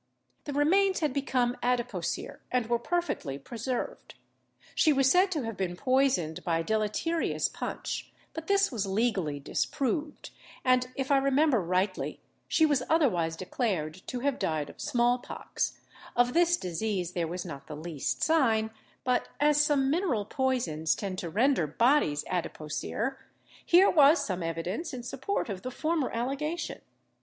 The remains had become adipocere, and were perfectly preserved. She was said to have been poisoned by deleterious punch, but this was legally disproved; and, if I remember rightly, she was otherwise declared to have died of small pox; of this disease there was not the least sign; but as some mineral poisons tend to render bodies adipocere, here was some evidence in support of the former allegation.